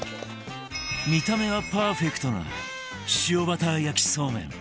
見た目はパーフェクトな塩バター焼きそうめん